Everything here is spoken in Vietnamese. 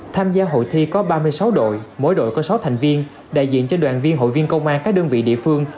tham gia hội thi có ba mươi sáu đội mỗi đội có sáu thành viên đại diện cho đoàn viên hội viên công an các đơn vị địa phương